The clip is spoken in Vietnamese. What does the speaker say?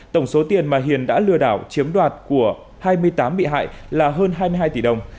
tổng số tiền mà hiền đã lừa đảo chiếm đoạt của hai mươi tám bị hại là hơn hai mươi hai tỷ đồng